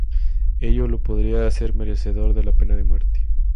Ello lo podría hacer merecedor de la pena de muerte.